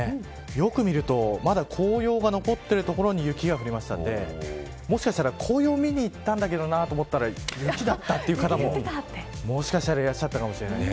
よく見るとまだ紅葉が残ってる所に雪が降ったのでもしかしたら紅葉を見に行ったんだけどなと思ったら雪だったという方ももしかしたらいらっしゃったかもしれません。